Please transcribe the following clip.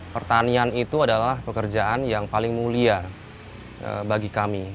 pertanian itu adalah pekerjaan yang paling mulia bagi kami